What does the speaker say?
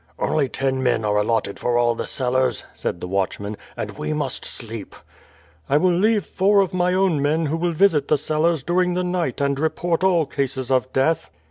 ^^ "Only ten men are allotted for all the cellars," said the watchman, "and we must sleep." "I will leave four of my own men who will visit the cellars during the night and report all cases of death."